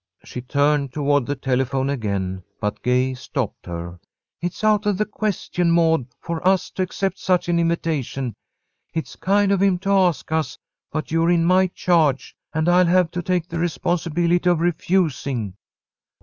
She turned toward the telephone again, but Gay stopped her. "It's out of the question, Maud, for us to accept such an invitation. It's kind of him to ask us, but you're in my charge, and I'll have to take the responsibility of refusing."